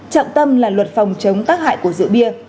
trọng tâm là luật phòng chống tác hại của rượu bia